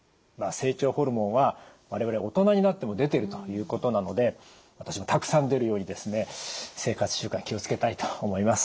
成長ホルモンは我々大人になっても出てるということなので私もたくさん出るように生活習慣気を付けたいと思います。